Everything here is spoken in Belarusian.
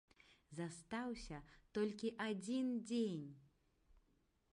Застаўся толькі адзін дзень!